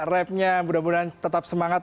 rap nya mudah mudahan tetap semangat